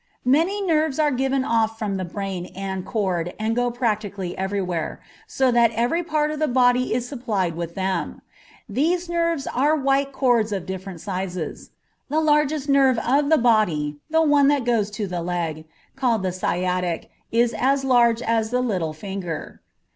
Many nerves are given off from the brain and cord and go practically everywhere, so that every part of the body is supplied with them. These nerves are white cords of different sizes; the largest nerve of the body, the one that goes to the leg, called the sciatic, is as large as the little finger.